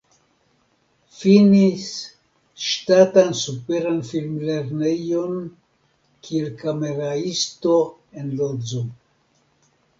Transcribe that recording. Finis Ŝtatan Superan Film-Lernejon kiel kameraisto en Lodzo.